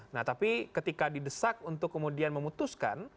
nah tapi ketika didesak untuk kemudian memutuskan